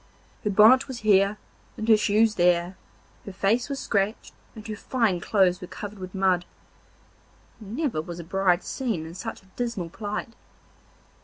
Her bonnet was here and her shoes there, her face was scratched, and her fine clothes were covered with mud. Never was a bride seen in such a dismal plight.